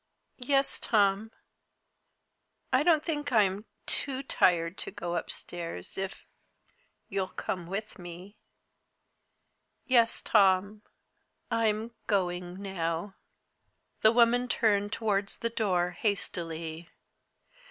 Yes, Tom I don't think I'm too tired to go upstairs, if you'll come with me. Yes, Tom I'm going now." The woman turned towards the door hastily.